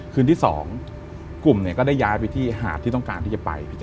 คืนที่๒กลุ่มก็ได้ย้ายไปที่หาดที่ต้องการที่จะไป